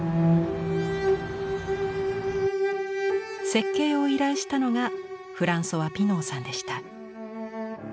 設計を依頼したのがフランソワ・ピノーさんでした。